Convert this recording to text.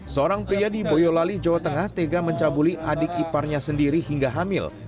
seorang pria di boyolali jawa tengah tega mencabuli adik iparnya sendiri hingga hamil